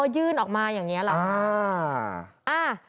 ยื่นออกมาอย่างนี้หรอคะ